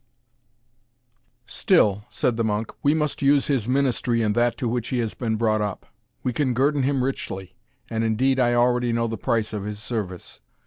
"Still," said the monk, "we must use his ministry in that to which he has been brought up. We can guerdon him richly, and indeed I already know the price of his service.